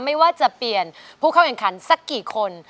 ไม่ว่าจะเปลี่ยนผู้เข้าแข่งขันสักกี่คน